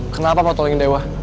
kenapa mau tolongin dewa